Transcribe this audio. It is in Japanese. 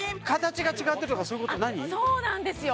そうなんですよ